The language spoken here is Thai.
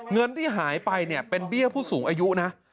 เงินที่หายไปเนี่ยเป็นเบี้ยผู้สูงอายุนะ